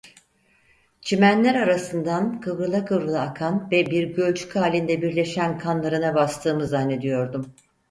Çimenler arasından kıvrıla kıvrıla akan ve bir gölcük halinde birleşen kanlarına bastığımı zannediyordum.